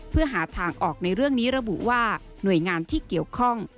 เพื่อหาทางออกในเรื่องนี้ระบุว่าหน่วยงานที่เกี่ยวข้อง